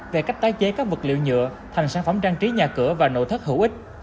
về cách tái chế các vật liệu nhựa thành sản phẩm trang trí nhà cửa và nội thất hữu ích